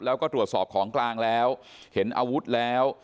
แล้วก็ตรวจสอบของกลางแล้วเห็นอาวุธแล้ว